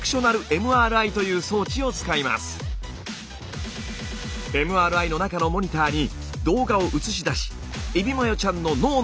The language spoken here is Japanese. ＭＲＩの中のモニターに動画を映し出しえびまよちゃんの脳の活動を観察します。